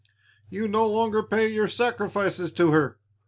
"You no longer pay your sacrifices to her.